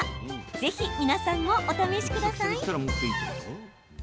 ぜひ皆さんもお試しください。